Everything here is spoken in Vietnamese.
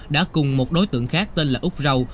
đã cùng một đối tượng khác tên là úc râu